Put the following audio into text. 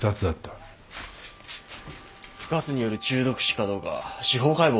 ガスによる中毒死かどうか司法解剖を待たないと。